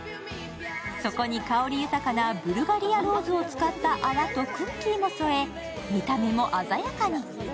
そこに香り豊かなブルガリアローズを使った泡とクッキーも添え、見た目も鮮やかに。